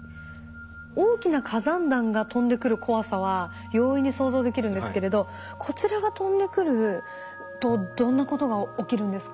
大きな火山弾が飛んでくる怖さは容易に想像できるんですけれどこちらが飛んでくるとどんなことが起きるんですか？